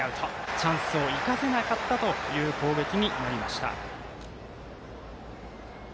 チャンスを生かせなかったという攻撃になりました。